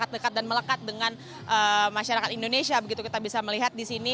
dekat dan melekat dengan masyarakat indonesia begitu kita bisa melihat di sini